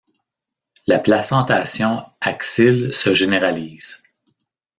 La placentation axile se généralise.